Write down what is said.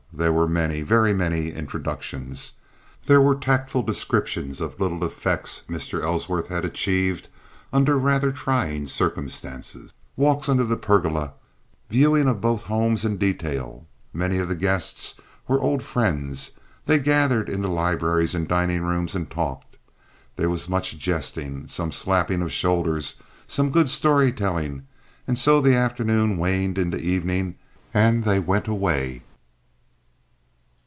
There were many, very many, introductions. There were tactful descriptions of little effects Mr. Ellsworth had achieved under rather trying circumstances; walks under the pergola; viewings of both homes in detail. Many of the guests were old friends. They gathered in the libraries and dining rooms and talked. There was much jesting, some slappings of shoulders, some good story telling, and so the afternoon waned into evening, and they went away.